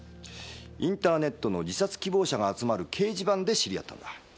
インターネットの自殺希望者が集まる掲示板で知り合ったんだ。